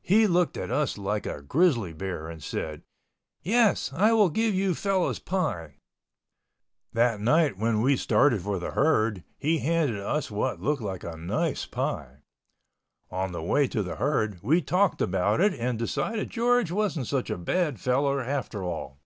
He looked at us like a grizzly bear and said, "Yes, I will give you fellows pie." That night when we started for the herd, he handed us what looked like a nice pie. On the way to the herd we talked about it and decided George wasn't such a bad fellow after all.